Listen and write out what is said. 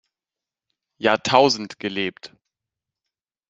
Jahrtausend gelebt.